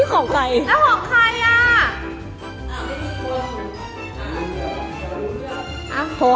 กลับมารมันทราบ